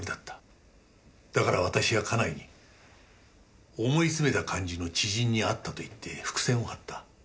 だから私や家内に思いつめた感じの知人に会ったと言って伏線を張った。